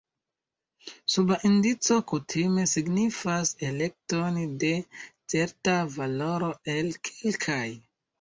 Suba indico kutime signifas elekton de certa valoro el kelkaj.